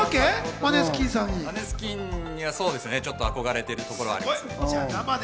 マネスキンさそうですね、ちょっと憧れているところがあります。